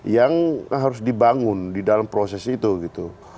yang harus dibangun di dalam proses itu gitu